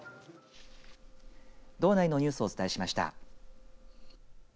道内のニュースをお伝えしました。